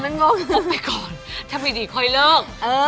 งบไปก่อนถ้าไม่ดีค่อยเลิก